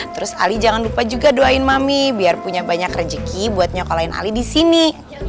terus ali jangan lupa juga doain mami biar punya banyak rezeki buat nyokolain ali di sini